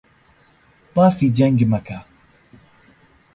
باسی جەنگ مەکە!